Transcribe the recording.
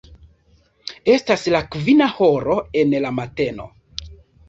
Estas la kvina horo en la mateno.